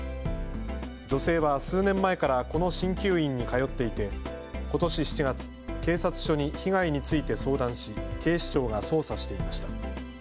女性は数年前からこのしんきゅう院に通っていてことし７月、警察署に被害について相談し警視庁が捜査していました。